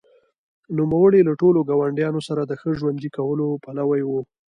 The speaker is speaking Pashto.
نوموړي له ټولو ګاونډیانو سره د ښه ژوند کولو پلوی و.